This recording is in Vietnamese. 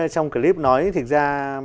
trong clip nói thực ra